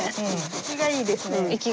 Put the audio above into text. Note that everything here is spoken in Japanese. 生きがいいですね。